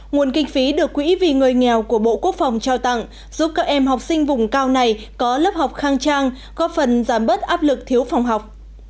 nguồn kinh phí được quỹ vì người nghèo của bộ quốc phòng trao tặng giúp các em học sinh vùng cao này có lớp học khang trang góp phần giảm bớt áp lực thiếu phòng học